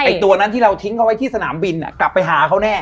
ตัวนั้นที่เราทิ้งเขาไว้ที่สนามบินกลับไปหาเขาแน่